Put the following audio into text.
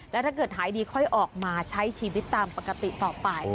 แล้วถ้าเกิดหายดีค่อยออกมาใช้ชีวิตตามปกติต่อไป